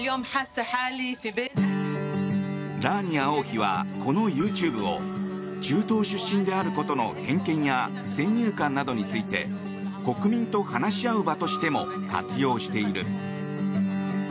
ラーニア王妃はこのＹｏｕＴｕｂｅを中東出身であることの偏見や先入観などについて国民と話し合う場としても活用している。